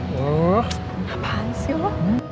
ngapain sih lo